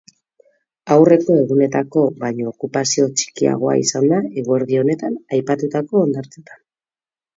Aurreko egunetako baino okupazio txikiagoa izan da eguerdi honetan aipatutako hondartzetan.